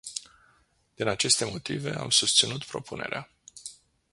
Din aceste motive am susținut propunerea.